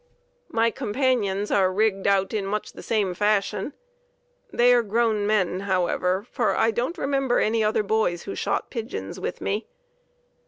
"My companions are rigged out in much the same fashion. They are grown men, however, for I don't remember any other boys who shot pigeons with me.